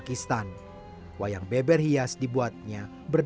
di antaranya dipesan oleh warga jepang belanda amerika serikat dan indonesia